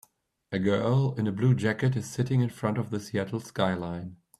A girl in a blue jacket is sitting in front of the Seattle skyline.